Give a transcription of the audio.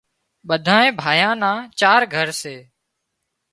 ٻڌائي ڀائيان نا چار گھر سي